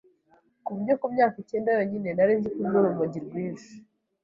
ku buryo ku myaka icyenda yonyine nari nzi kunywa urumogi rwinshi,